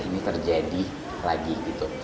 ini terjadi lagi